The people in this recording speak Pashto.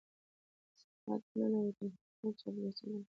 ثبات نه لرو، تنها قهر او چاپلوسي لرو.